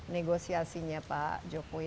negosiasinya pak jokowi